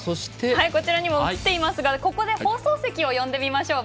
こちらにも映っていますがここで放送席を呼んでみましょう。